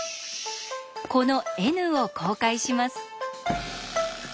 このＮを公開します。